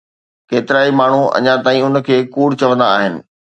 ڪيترائي ماڻهو اڃا تائين ان کي ڪوڙ چوندا آهن